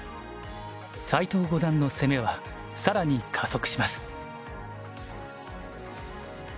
斎藤五段の攻めは更に加速します。